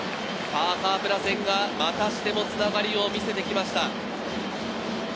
カープ打線がまたしても繋がりを見せてきました。